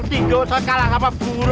kamu kalah bel bel bel